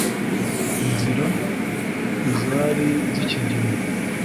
Inzira Ntizari Zikigendwa